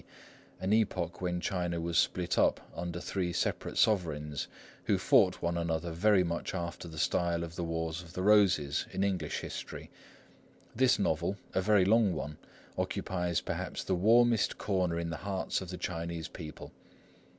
D., an epoch when China was split up under three separate sovereigns, who fought one another very much after the style of the Wars of the Roses in English history. This novel, a very long one, occupies perhaps the warmest corner in the hearts of the Chinese people.